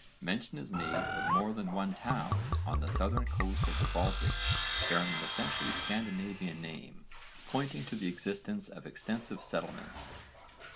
Mention is made of more than one town on the southern coast of the Baltic bearing an essentially Scandinavian name, pointing to the existence of extensive settlements.